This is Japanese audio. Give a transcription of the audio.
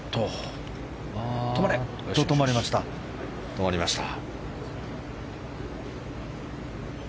止まりました。